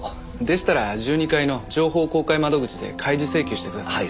でしたら１２階の情報公開窓口で開示請求してください。